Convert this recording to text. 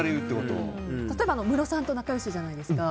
例えば、ムロさんと仲良しじゃないですか。